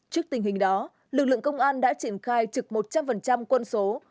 trước tình hình đó lực lượng công an đã triển khai trực một trăm linh quân số